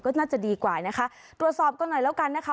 ก็น่าจะดีกว่านะคะตรวจสอบกันหน่อยแล้วกันนะคะ